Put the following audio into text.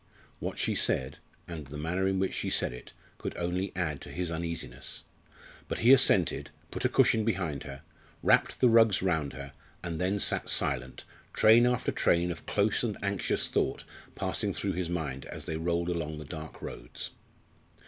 What she said, and the manner in which she said it, could only add to his uneasiness; but he assented, put a cushion behind her, wrapped the rugs round her, and then sat silent, train after train of close and anxious thought passing through his mind as they rolled along the dark roads.